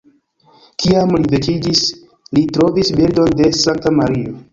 Kiam li vekiĝis, li trovis bildon de Sankta Mario.